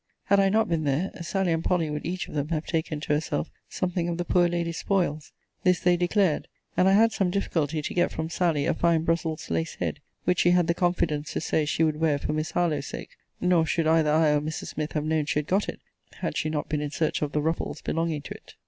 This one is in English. Had I not been there, Sally and Polly would each of them have taken to herself something of the poor lady's spoils. This they declared: and I had some difficulty to get from Sally a fine Brussels lace head, which she had the confidence to say she would wear for Miss Harlowe's sake. Nor should either I or Mrs. Smith have known she had got it, had she not been in search of the ruffles belonging to it.